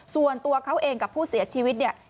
ส่วนตัวเขาเองกับผู้เสียชีวิตเนี่ย